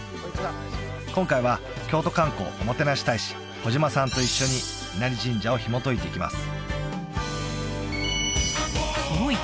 今回は京都観光おもてなし大使小嶋さんと一緒に稲荷神社をひもといていきます